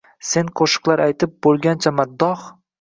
Sen ko‘shiqlar aytib, bo‘lgancha maddoh